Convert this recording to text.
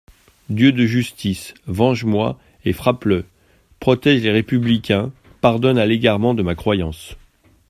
Dieu de justice, venge-moi et frappe-le ! Protége les républicains, pardonne à l'égarement de ma croyance.